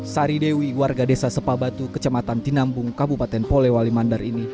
sari dewi warga desa sepabatu kecamatan tinambung kabupaten polewali mandar ini